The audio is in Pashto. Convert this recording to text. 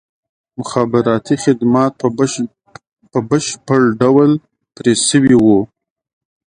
مخابراتي خدمات په بشپړ ډول پرې شوي وو.